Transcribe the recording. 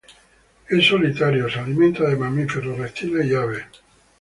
Es solitario, se alimenta de mamíferos, reptiles y aves.